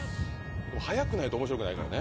早くないと面白くないからね。